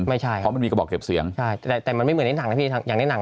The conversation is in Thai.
ไม่ใช่เพราะมันมีกระบอกเก็บเสียงใช่แต่แต่มันไม่เหมือนในหนังนะพี่อย่างในหนัง